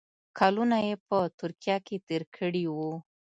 کلونه یې په ترکیه کې تېر کړي وو.